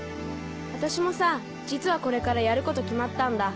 私もさ実はこれからやること決まったんだ。